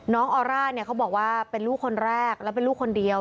ออร่าเนี่ยเขาบอกว่าเป็นลูกคนแรกแล้วเป็นลูกคนเดียว